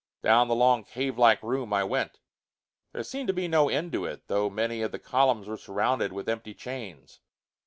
Down the long cave like room I went. There seemed to be no end to it, though many of the columns were surrounded with empty chains.